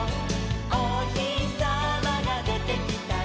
「おひさまがでてきたよ」